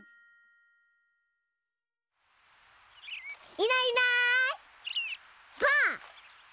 いないいないばあっ！